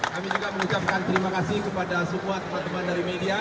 kami juga mengucapkan terima kasih kepada semua teman teman dari media